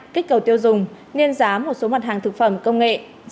kích cầu tiêu dùng nên giá một số mặt hàng thực phẩm công nghệ